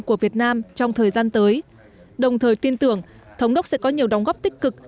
của việt nam trong thời gian tới đồng thời tin tưởng thống đốc sẽ có nhiều đóng góp tích cực